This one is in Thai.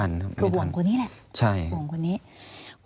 อันดับ๖๓๕จัดใช้วิจิตร